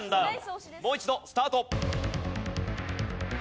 もう一度スタート。